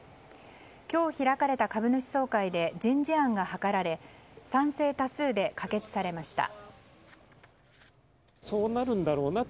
今日開かれた株主総会で人事案が諮られ賛成多数で可決されました。